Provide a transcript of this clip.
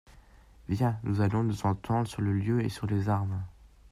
Viens, nous allons nous entendre sur le lieu et sur les armes.